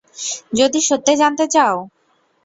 যদি সত্যি জানতে চাও?